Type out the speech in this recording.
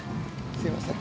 すいません。